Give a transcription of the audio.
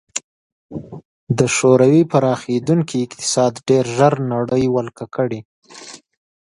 د شوروي پراخېدونکی اقتصاد ډېر ژر نړۍ ولکه کړي